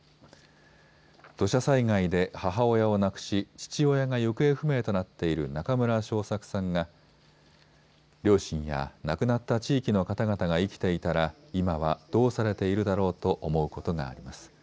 土砂災害で母親を亡くし父親が行方不明となっている中村彰作さんが両親や亡くなった地域の方々が生きていたら今はどうされているだろうと思うことがあります。